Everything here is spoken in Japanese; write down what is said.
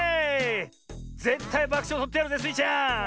ぜったいばくしょうをとってやるぜスイちゃん！